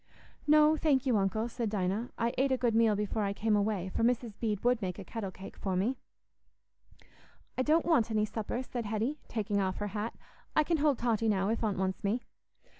"No, thank you, Uncle," said Dinah; "I ate a good meal before I came away, for Mrs. Bede would make a kettle cake for me." "I don't want any supper," said Hetty, taking off her hat. "I can hold Totty now, if Aunt wants me."